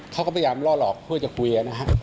เขาก็พยายามล่อหลอกเพื่อจะคุยนะฮะ